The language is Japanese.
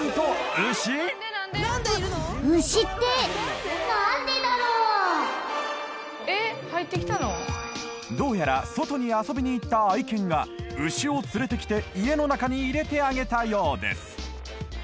うっ牛ってどうやら外に遊びに行った愛犬が牛を連れてきて家の中に入れてあげたようです